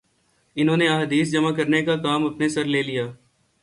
انہوں نے احادیث جمع کرنے کا کام اپنے سر لے لیا